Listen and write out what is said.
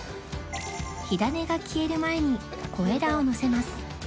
火種が消える前に小枝をのせます